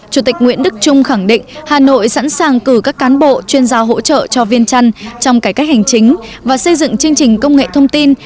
chủ tịch nguyễn đức trung khẳng định hà nội sẵn sàng cử các cán bộ chuyên gia hỗ trợ cho viên trăn trong cải cách hành chính và xây dựng chương trình công nghệ thông tin